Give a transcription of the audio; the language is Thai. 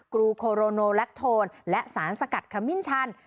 กรูโคโรโนแลคโทนและสารสกัดขมิ้นชัน